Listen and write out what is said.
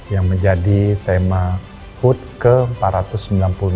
yang menjadi tema food kemasan